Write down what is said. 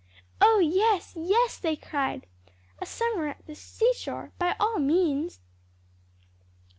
"Oh yes, yes!" they cried, "a summer at the seashore, by all means."